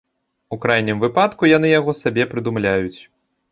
У крайнім выпадку, яны яго сабе прыдумляюць.